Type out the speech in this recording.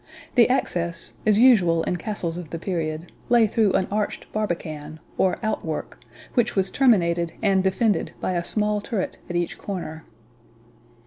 The access, as usual in castles of the period, lay through an arched barbican, or outwork, which was terminated and defended by a small turret at each corner.